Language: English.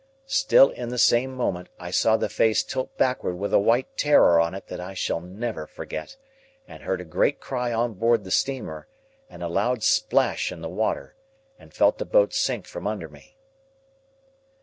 Still, in the same moment, I saw the face tilt backward with a white terror on it that I shall never forget, and heard a great cry on board the steamer, and a loud splash in the water, and felt the boat sink from under me.